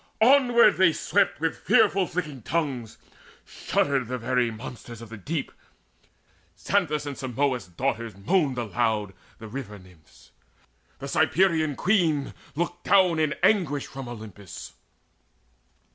Onward they swept with fearful flickering tongues: Shuddered the very monsters of the deep: Xanthus' and Simois' daughters moaned aloud, The River nymphs: the Cyprian Queen looked down In anguish from Olympus.